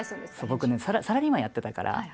僕ねサラリーマンやってたから。